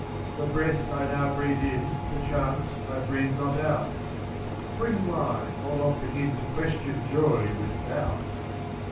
The breath I now breathe in, Perchance, I breathe not out. Bring wine! I'll not begin To question joy with doubt.